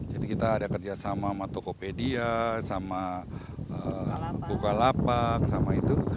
jadi kita ada kerjasama sama tokopedia sama bukalapak sama itu